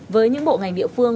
với những bộ ngành địa phương